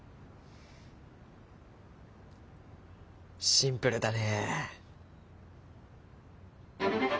シンプルだね。